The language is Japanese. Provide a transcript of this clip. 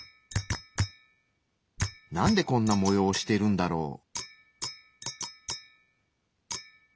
なんでこんな模様をしてるんだろう？